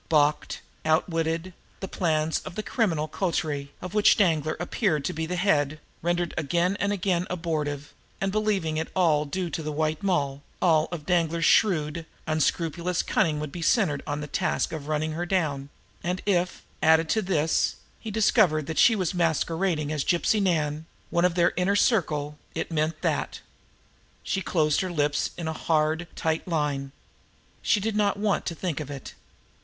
Balked, outwitted, the plans of the criminal coterie, of which Danglar appeared to be the head, rendered again and again abortive, and believing it all due to the White Moll, all of Danglar's shrewd, unscrupulous cunning would be centered on the task of running her down; and if, added to this, he discovered that she was masquerading as Gypsy Nan, one of their own inner circle, it mean that She closed her lips in a hard, tight line. She did not want to think of it.